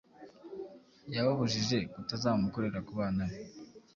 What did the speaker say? yababujije kutazamukorera ku bana be